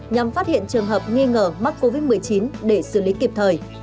nhằm phát hiện trường hợp nghi ngờ mắc covid một mươi chín để xử lý kịp thời